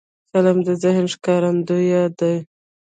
فلم د ذهن ښکارندوی دی